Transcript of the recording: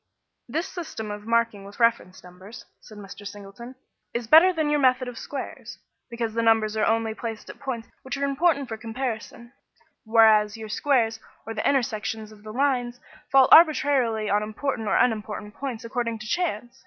"This system of marking with reference numbers," said Mr. Singleton, "is better than your method of squares, because the numbers are only placed at points which are important for comparison, whereas your squares or the intersections of the lines fall arbitrarily on important or unimportant points according to chance.